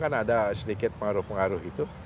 kan ada sedikit pengaruh pengaruh itu